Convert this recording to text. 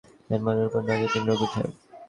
যানবাহনের উপর নজর দিন, রঘু সাহেব।